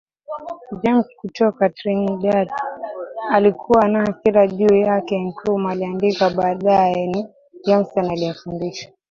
James kutoka Trinidad alikuwa na hasira juu yake Nkrumah aliandika baadaye ni Johnson aliyemfundisha